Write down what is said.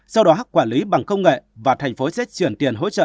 sau đó quản lý bằng công nghệ và thành phố xét chuyển tiền hỗ trợ